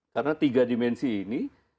karena tiga dimensi ini